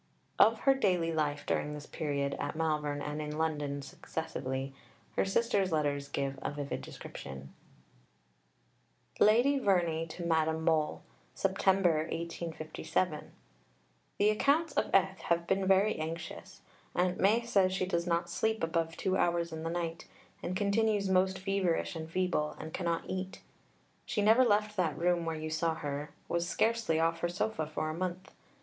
Of her daily life during this period, at Malvern and in London successively, her sister's letters give a vivid description: (Lady Verney to Madame Mohl.) [September 1857.] The accounts of F. have been very anxious. Aunt Mai says she does not sleep above two hours in the night, and continues most feverish and feeble, and cannot eat. She never left that room where you saw her, was scarcely off her sofa for a month.